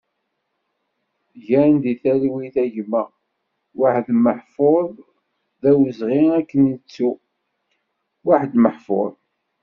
Gen di talwit a gma Wahad Meḥfouḍ, d awezɣi ad k-nettu! Wahad Meḥfouḍ